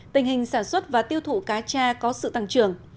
tình hình sản xuất và tiêu thụ cá cha có sự tăng trưởng